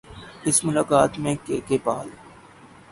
اس ملاقات میں کے کے پال